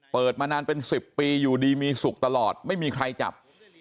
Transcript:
เปิดมานานเป็น๑๐ปีอยู่ดีมีสุขตลอดไม่มีใครจับ